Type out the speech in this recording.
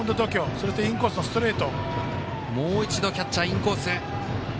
それとインコースのストレート。